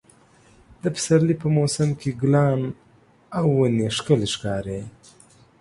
د پسرلي په موسم کې ګلان او ونې ښکلې ښکاري.